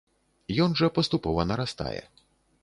Ён жа паступова нарастае.